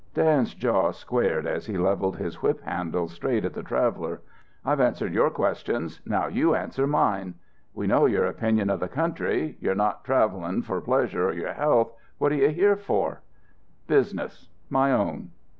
Dan's jaw squared as he leveled his whip handle straight at the traveller. "I've answered your questions, now you answer mine! We know your opinion of the country you're not travelling for pleasure or your health. What are you here for?" "Business. My own!"